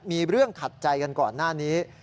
มีเรื่องขัดใจกันก่อนหน้านี้